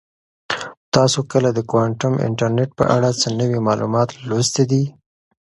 تاسو کله د کوانټم انټرنیټ په اړه څه نوي معلومات لوستي دي؟